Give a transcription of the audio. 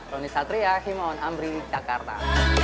roni satria himawan amri jakarta